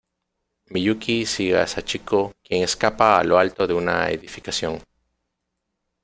Miyuki sigue a Sachiko quien escapa a lo alto de una edificación.